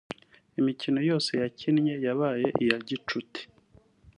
“Imikino yose yakinnye yaba iya gicuti